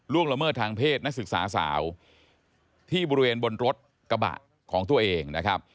ละเมิดทางเพศนักศึกษาสาวที่บริเวณบนรถกระบะของตัวเองนะครับ